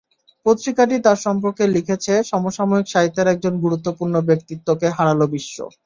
পত্রিকাটি তাঁর সম্পর্কে লিখেছে, সমসাময়িক সাহিত্যের একজন গুরুত্বপূর্ণ ব্যক্তিত্বকে হারাল বিশ্ব।